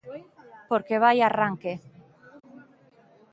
Porque vaia arranque.